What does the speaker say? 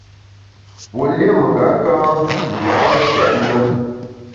Pue lié mengaka nja’ nshèt ne.